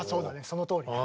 そのとおりだ。